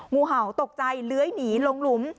งูเห่าตกใจเลื้อยหนีลงหลุม